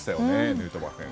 ヌートバー選手。